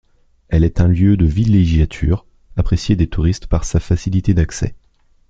Elle est un lieu de villégiature apprécié des touristes par sa facilité d'accès.